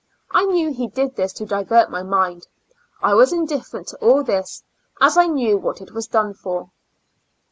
I knew he did this to divert my mind ; I was indifferent to all this, as I knew what it was done for.